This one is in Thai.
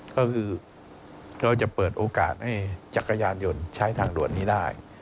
ก็คือเราจะเปิดโอกาสให้จักรยานยนต์ใช้ทางด่วนนี้ได้